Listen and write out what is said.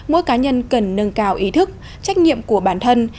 mỗi cá nhân cần nâng cao ý thức trách nhiệm của bản thân